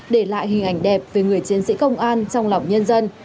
để lại hình ảnh đẹp về người chiến sĩ công an trong lòng nhân dân